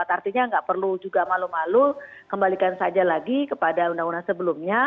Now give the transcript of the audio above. artinya nggak perlu juga malu malu kembalikan saja lagi kepada undang undang sebelumnya